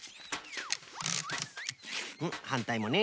うんはんたいもね。